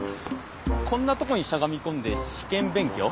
こんなとこにしゃがみ込んで試験勉強？